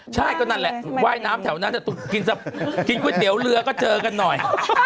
ใช่ก็นั่นแหละว่ายน้ำแถวนั้นกินก๋วยเตี๋ยวเรือก็เจอกันหน่อย